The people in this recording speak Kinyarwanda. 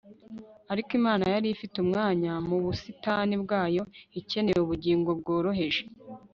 ariko imana yari ifite umwanya mu busitani bwayo ikeneye ubugingo bworoheje